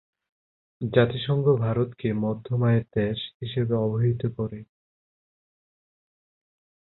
জাতিসংঘ ভারতকে মধ্যম আয়ের দেশ হিসেবে অভিহিত করে।